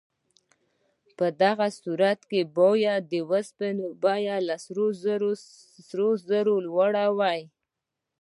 په هغه صورت کې باید د اوسپنې بیه له سرو زرو لوړه وای.